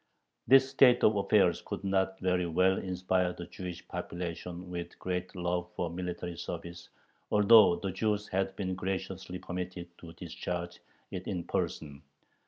This state of affairs could not very well inspire the Jewish population with a great love for military service, although the Jews had been graciously permitted to discharge it in person.